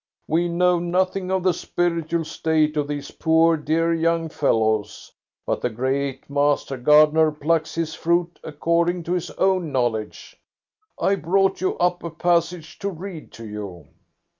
"We know nothing of the spiritual state of these poor dear young fellows, but the great Master Gardener plucks His fruit according to His own knowledge. I brought you up a passage to read to you."